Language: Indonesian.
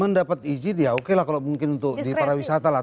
mendapat izin ya oke lah kalau mungkin untuk di para wisata lah